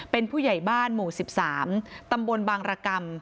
เป็นผู้ใหญ่บ้านหมู่๑๓ตำบลบางรกรรม